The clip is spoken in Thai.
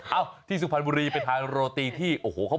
เอ้าที่สุพรรณบุรีไปทานโรติที่